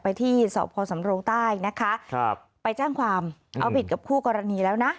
ไปที่สอบพรสำรงค์ใต้นะคะไปจ้างความเอาผิดกับผู้กรณีแล้วนะ